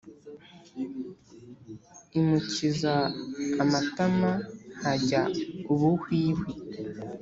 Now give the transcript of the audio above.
Imukiza amatama hajya ubuhwihwi